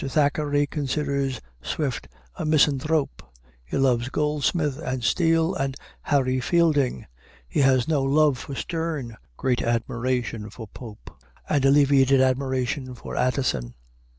Thackeray considers Swift a misanthrope; he loves Goldsmith and Steele and Harry Fielding; he has no love for Sterne, great admiration for Pope, and alleviated admiration for Addison.